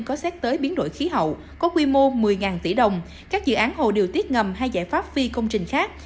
có xét tới biến đổi khí hậu có quy mô một mươi tỷ đồng các dự án hồ điều tiết ngầm hay giải pháp phi công trình khác